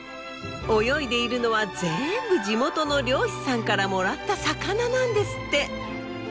泳いでいるのはぜんぶ地元の漁師さんからもらった魚なんですって。